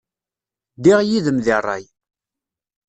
Ddiɣ yid-m deg ṛṛay.